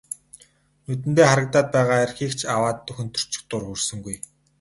Нүдэндээ харагдаад байгаа архийг ч аваад хөнтөрчих дур хүрсэнгүй.